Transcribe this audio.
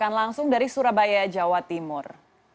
melaporkan langsung dari surabaya jawa timur